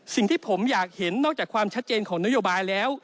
สิ่งที่ผมอยากเห็นนอกจากความชัดเจนของนโยบายแล้ว